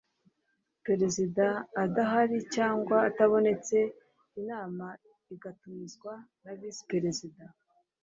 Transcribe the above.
perezida adahari cyangwa atabonetse, inama igatumizwa na visi perezida